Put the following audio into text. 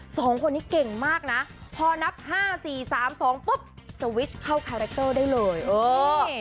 สองคนนี้เก่งมากนะพอนับ๕๔๓๒ปุ๊บสวิชเข้าคาแรคเตอร์ได้เลย